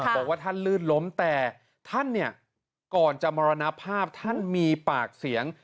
บอกว่าท่านลื่นล้มแต่ท่านเนี่ยก่อนจะมรณภาพท่านมีปากเสียง